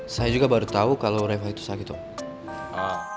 saya juga baru tau kalo reva itu sakit om